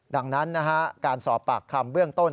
ดังนั้นการสอบปากคำเบื้องต้น